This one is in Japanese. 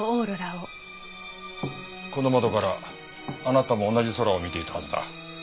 この窓からあなたも同じ空を見ていたはずだ。